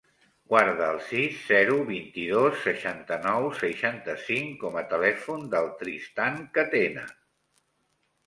Guarda el sis, zero, vint-i-dos, seixanta-nou, seixanta-cinc com a telèfon del Tristan Catena.